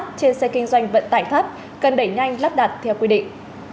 trên xe kinh doanh vận tải thấp cần đẩy nhanh lắp đặt theo quy định